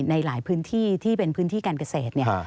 ในหลายพื้นที่ที่เป็นพื้นที่การเกษตรเนี่ย